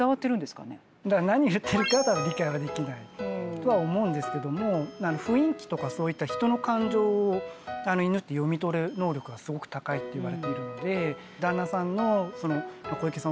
何言ってるかは多分理解はできないとは思うんですけども雰囲気とかそういった人の感情を犬って読み取る能力がすごく高いっていわれているので旦那さんの小池さん